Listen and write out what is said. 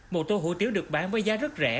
một tô hủ tiếu được bán với giá rất rẻ